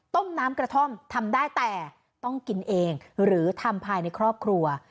ต้มน้ำกระท่อมทำได้แต่ต้องกินเองหรือทำภายในครอบครัว